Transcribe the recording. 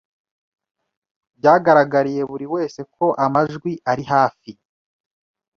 Byagaragariye buri wese ko amajwi ari hafi.